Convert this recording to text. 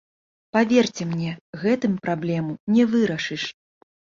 Паверце мне, гэтым праблему не вырашыш.